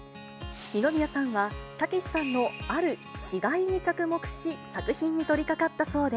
二宮さんは、たけしさんのある違いに着目し、作品に取りかかったそうで。